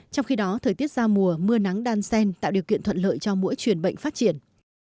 trong khi đó thời tiết ra mùa mưa nắng đan sen tạo điều kiện thuận lợi cho mỗi truyền bệnh phát triển